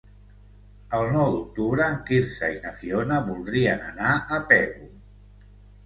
El nou d'octubre en Quirze i na Fiona voldrien anar a Pego.